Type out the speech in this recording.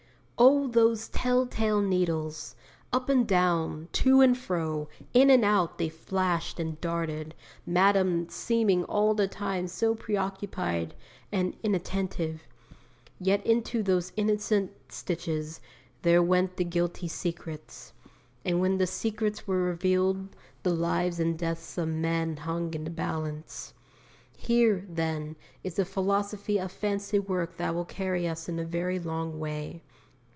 "' Oh those tell tale needles! Up and down, to and fro, in and out they flashed and darted, Madame seeming all the time so preoccupied and inattentive! Yet into those innocent stitches there went the guilty secrets; and when the secrets were revealed the lives and deaths of men hung in the balance! Here, then, is a philosophy of fancy work that will carry us a very long way.